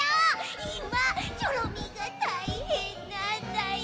いまチョロミーがたいへんなんだよ。